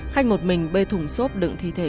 khanh một mình bê thùng xốp đựng thi thể